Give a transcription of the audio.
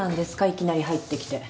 いきなり入ってきて。